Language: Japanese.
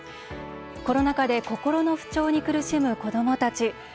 コロナ禍で心の不調に苦しむ子どもたち。